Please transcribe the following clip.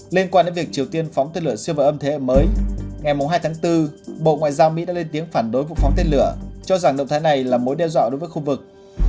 liên quan đến việc triều tiên phóng tên lửa siêu vật âm thế hệ mới ngày hai tháng bốn bộ ngoại giao mỹ đã lên tiếng phản đối vụ phóng tên lửa cho rằng động thái này là mối đe dọa đối với khu vực